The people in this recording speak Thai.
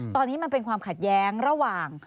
ตอนนี้มันเป็นความขัดแย้งระหว่าง